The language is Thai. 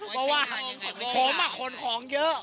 เพราะว่าผมขนของเยอะ